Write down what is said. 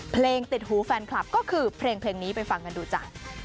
เพลงติดหูแฟนคลับก็คือเพลงนี้ไปฟังกันดูจ้ะ